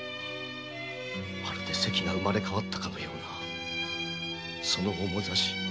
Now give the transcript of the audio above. まるで「せき」が生まれ変わったかのようなその面ざし。